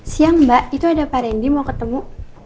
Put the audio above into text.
siang mbak itu ada pak randy mau ketemu